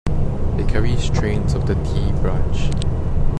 It carries trains of the "D" Branch.